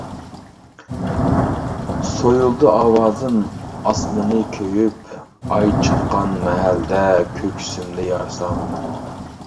سويۇلدى ئاۋازىم ئاسمىنى كۆيۈپ، ئاي چىققان مەھەلدە كۆكسۈمنى يارسام.